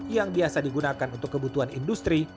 yang biasa digunakan untuk kebutuhan industri